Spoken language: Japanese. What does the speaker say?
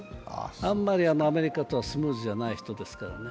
あんまりアメリカとはスムーズじゃない人ですからね